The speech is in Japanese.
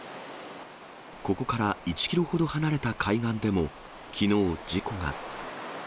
ここから１キロほど離れた海岸でも、きのう事故が。